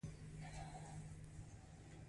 چې پر خپل برخلیک د فرد تسلط له منځه وړي.